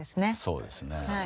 そうですね。